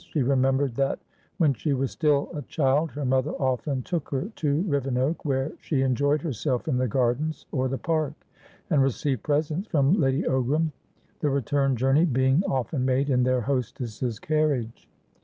She remembered that, when she was still a child, her mother often took her to Rivenoak, where she enjoyed herself in the gardens or the park, and received presents from Lady Ogram, the return journey being often made in their hostess's carriage.